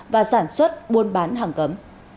và sản xuất buôn bán hàng cấm